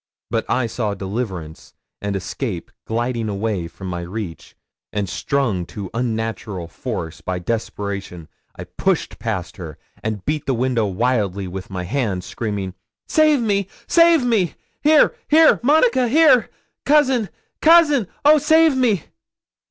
But I saw deliverance and escape gliding away from my reach, and, strung to unnatural force by desperation, I pushed past her, and beat the window wildly with my hands, screaming 'Save me save me! Here, here, Monica, here! Cousin, cousin, oh! save me!'